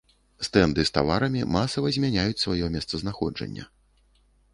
Стэнды з таварамі масава змяняюць сваё месцазнаходжання.